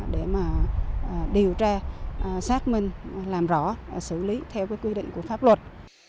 để mà điều tra xác minh làm rõ xử lý theo quy định của pháp luật